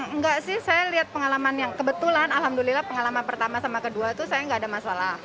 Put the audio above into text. enggak sih saya lihat pengalaman yang kebetulan alhamdulillah pengalaman pertama sama kedua itu saya nggak ada masalah